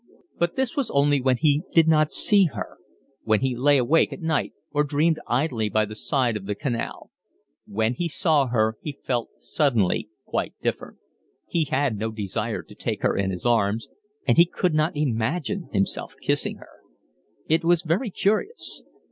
But this was only when he did not see her, when he lay awake at night or dreamed idly by the side of the canal; when he saw her he felt suddenly quite different; he had no desire to take her in his arms, and he could not imagine himself kissing her. It was very curious.